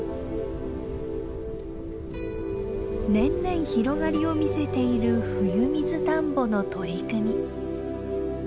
年々広がりを見せているふゆみずたんぼの取り組み。